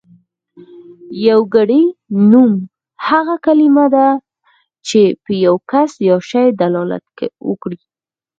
يوګړی نوم هغه کلمه ده چې په يو کس يا شي دلالت وکړي.